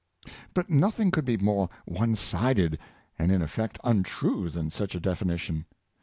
But nothing could be more one sided, and in effect un true, than such a definition.